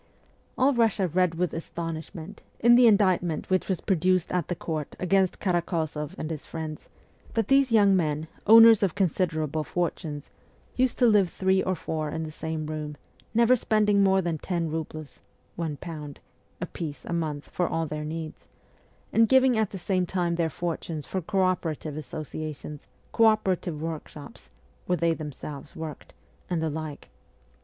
All Russia read with astonishment, in the indict ment which was produced at the court against Karakozoff and his friends, that these young men, owners of considerable fortunes, used to live three or four in the same room, never spending more than ten roubles (one pound) apiece a month for all their needs, and giving at the same time their fortunes for co opera tive associations, co operative workshops (where they themselves worked), and the like.